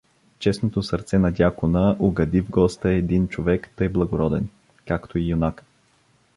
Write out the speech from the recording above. Честното сърце на дякона угади в госта един човек тъй благороден, както и юнак.